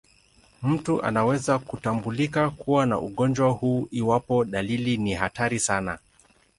Mtu anaweza kutambulika kuwa na ugonjwa huu iwapo tu dalili ni hatari sana.